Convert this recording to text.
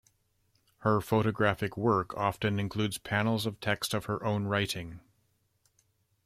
Her photographic work often includes panels of text of her own writing.